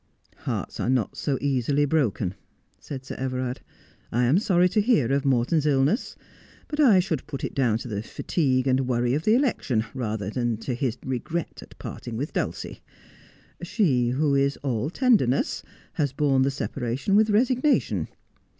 ' Hearts are not so easily broken,' said Sir Everard. { I am rorry to hear of Morton's illness, but I should put it down to the fatigue and worry of the election, rather than to his regret at parting with Dulcie. She, who is all tenderness, has borne the se paration with resignation.